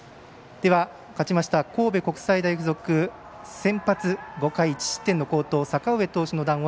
では勝ちました神戸国際大付属先発、５回１失点の好投阪上投手の談話。